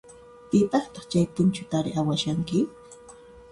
Pipaqtaq chay punchutari awashanki?